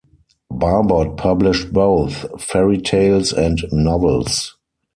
Barbot published both fairy tales and novels.